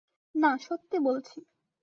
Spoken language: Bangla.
না, সত্যি বলছি।